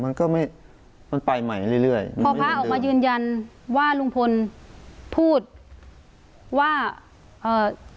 มันก็ไม่มันไปใหม่เรื่อยเรื่อยพอพระออกมายืนยันว่าลุงพลพูดว่าเอ่อ